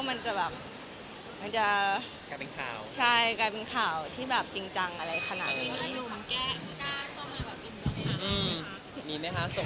มันกลายเป็นข่าวใช่กลายเป็นข่าวที่จริงจังอะไรขนาดนี้